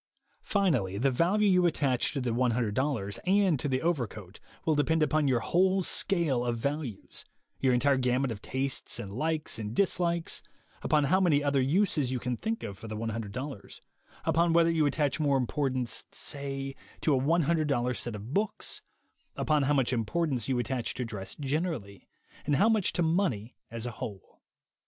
Finally, the value you attach to the $100 and to the overcoat will depend upon your whole scale of values; your entire gamut of tastes and likes and dislikes ; upon how many other uses you can think of for the $100, upon whether you attach more importance, say, to a $100 set of books; upon how much importance you attach to dress generally, and how much to money as a whole.